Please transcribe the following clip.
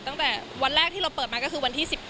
ตั้งแต่วันแรกที่เราเปิดมาก็คือวันที่๑๙